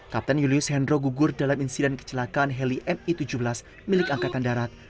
kapten julius hendro gugur dalam insiden kecelakaan heli mi tujuh belas milik angkatan darat